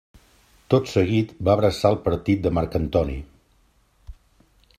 Tot seguit va abraçar el partit de Marc Antoni.